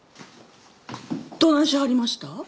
どないしはりました？